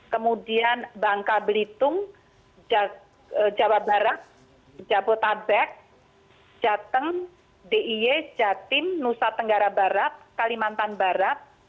kemudian bangka belitung jawa barat jabodetabek jateng diy jatim nusa tenggara barat kalimantan barat